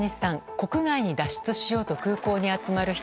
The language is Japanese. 国外に脱出しようと空港に集まる人。